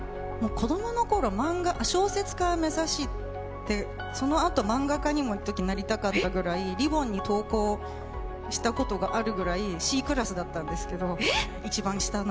子供の頃、小説家を目指して、そのあと漫画家にもいっときなりたかったぐらい「りぼん」に投稿したことがあるくらいＣクラスだったんですけど、一番下の。